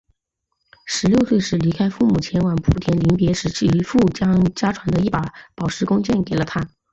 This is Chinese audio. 十六岁时离开父母前往蒲甘临别时其父将家传的一把宝石弓箭给了他。